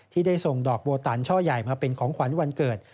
ที่ได้ส่งดอกโบตันช่อใหญ่มาเป็นของขวัญวันเกิด